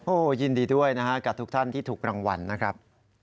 โอ้โหยินดีด้วยนะฮะกับทุกท่านที่ถูกรางวัลนะครับ